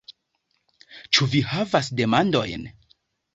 Ĉu vi havas demandojn?